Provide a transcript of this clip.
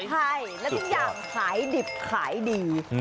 ใช่แล้วทุกอย่างขายดิบขายดี